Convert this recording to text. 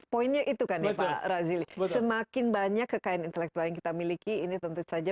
poinnya itu kan ya pak razili semakin banyak kekayaan intelektual yang kita miliki ini tentu saja